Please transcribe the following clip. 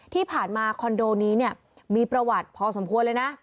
ที่ผ่านมาคอนโดนี้เนี่ยมีประวัติพอสมควรเลยนะ